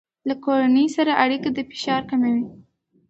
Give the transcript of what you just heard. له کورنۍ سره اړیکه د فشار کموي.